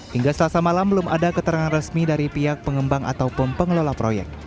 hingga selasa malam belum ada keterangan resmi dari pihak pengembang ataupun pengelola proyek